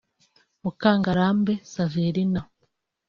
Mukangarambe Saverina